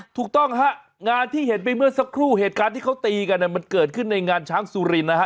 ถูกต้องฮะงานที่เห็นไปเมื่อสักครู่เหตุการณ์ที่เขาตีกันมันเกิดขึ้นในงานช้างสุรินนะฮะ